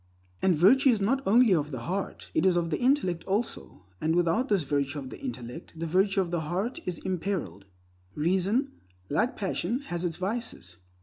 And virtue is not only of the heart; it is of the intellect also; and without this virtue of the intellect, the virtue of the heart is imperiled. Reason, like passion, has its vices.